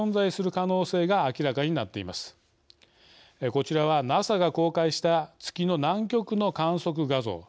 こちらはＮＡＳＡが公開した月の南極の観測画像。